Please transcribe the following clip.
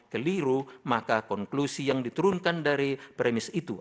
keliru maka konklusi yang diturunkan dari premis itu